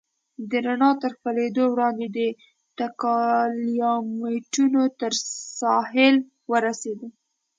د رڼا تر خپرېدو وړاندې د ټګلیامنټو تر ساحل ورسېدو.